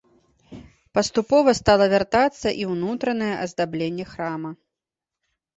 Паступова стала вяртацца і ўнутранае аздабленне храма.